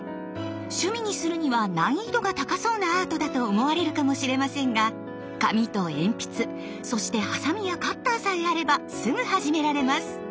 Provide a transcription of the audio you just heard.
趣味にするには難易度が高そうなアートだと思われるかもしれませんが紙と鉛筆そしてハサミやカッターさえあればすぐ始められます！